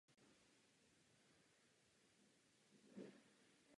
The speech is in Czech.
Musí se připravit předčasné volby.